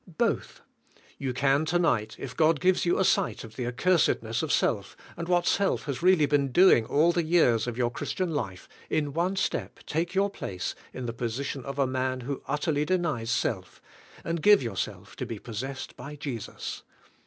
Both. You can tonig ht, if God gives you a sight of the accursedness of self and what self has really been doing all the years of your Christian life, in one step take your place in the position of a man who utterly denies self, and give yourself to be possessed by Jesus.